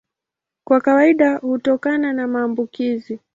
Kwa kawaida hutokana na maambukizi.